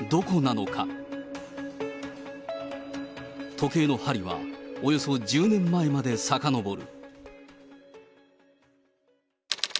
時計の針は、およそ１０年前までさかのぼる。